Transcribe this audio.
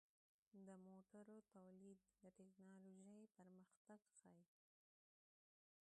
د موټرو تولید د ټکنالوژۍ پرمختګ ښيي.